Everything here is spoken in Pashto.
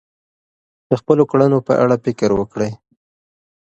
د خپلو کړنو په اړه فکر وکړئ.